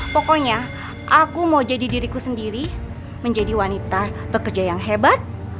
pokoknya aku mau jadi diriku sendiri menjadi wanita pekerja yang hebat